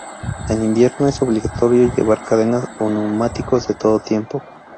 En invierno es obligatorio llevar cadenas o neumáticos de todo tiempo.